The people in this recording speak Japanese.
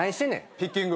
ピッキング。